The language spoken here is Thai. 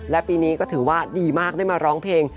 และปีนี้ก็ถือว่าดีมากได้มาร้องเพลง